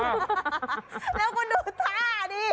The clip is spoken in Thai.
แล้วคุณดูท่าดิ